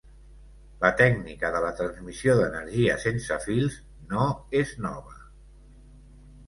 La tècnica de la transmissió d'energia sense fils no és nova.